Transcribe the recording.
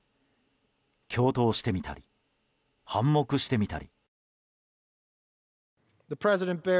共闘してみたり反目してみたり。